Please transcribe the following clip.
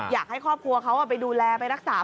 อยากให้ครอบครัวเขาไปดูแลไปรักษา